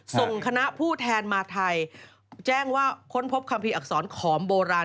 ส่งคณะผู้แทนมาไทยแจ้งว่าค้นพบคัมภีร์อักษรขอมโบราณ